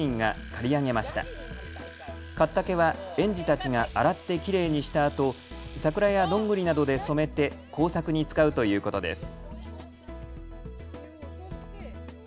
刈った毛は園児たちが洗ってきれいにしたあと、桜やどんぐりなどで染めて工作に使うということです。